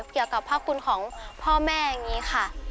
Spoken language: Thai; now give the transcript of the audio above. เกี่ยวกับพระคุณของพ่อแม่อย่างนี้ค่ะ